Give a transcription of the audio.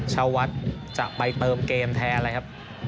ชาววัดจะไปเติมเกมแทนเลยครับ